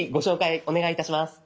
お願いいたします。